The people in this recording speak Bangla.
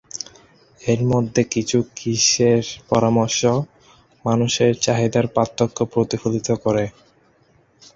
এর মধ্যে কিছু, কৃষ্ণের পরামর্শ, মানুষের চাহিদার পার্থক্য প্রতিফলিত করে।